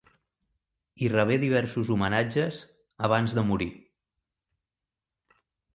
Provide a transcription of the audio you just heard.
Hi rebé diversos homenatges abans de morir.